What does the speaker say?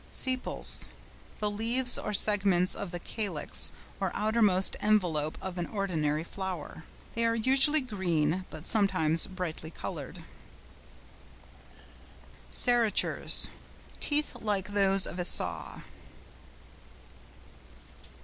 SEPALS.—The leaves or segments of the calyx, or outermost envelope of an ordinary flower. They are usually green, but sometimes brightly coloured. SERRATURES.—Teeth like those of a saw.